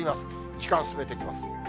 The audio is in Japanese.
時間を進めていきます。